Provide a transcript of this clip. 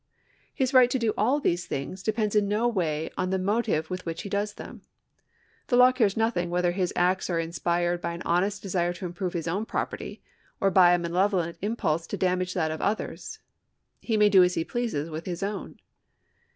His right to do all these things depends in no way on the motive with which he does them. The law cares nothing whether his acts are inspired by an honest desire to improve his own property, or by a malevolent impulse to damage that of others. He may do as he pleases with his own.'